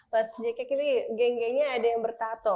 pas jk kili geng gengnya ada yang bertato